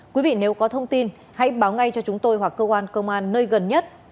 quý vị nếu có thông tin hãy báo ngay cho chúng tôi hoặc cơ quan công an nơi gần nhất